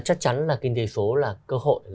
chắc chắn là kinh tế số là cơ hội